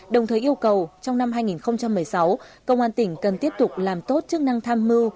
đồng thời yêu cầu trong năm hai nghìn một mươi sáu công an tỉnh cần tiếp tục làm tốt chức năng tham mưu